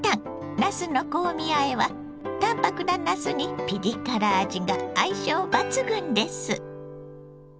なすの香味あえは淡白ななすにピリ辛味が相性抜群です。